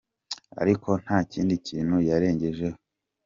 ’ Ariko nta kindi kintu yarengejeho.